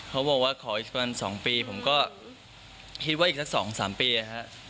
เขาบอกว่าขออีกประมาณ๒ปีผมก็คิดว่าอีกสัก๒๓ปี